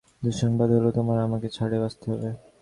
দুঃসংবাদ হলো তোমার আমাকে ছাড়াই বাঁচতে হবে।